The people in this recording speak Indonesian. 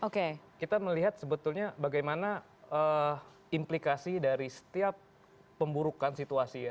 kita melihat sebetulnya bagaimana implikasi dari setiap pemburukan situasi